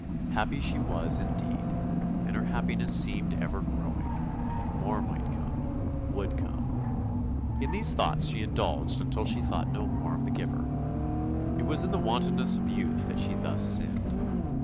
Happy she was indeed, and her happiness seemed ever growing; more might come, would come. In these thoughts she indulged, until she thought no more of the Giver. It was in the wantonness of youth that she thus sinned.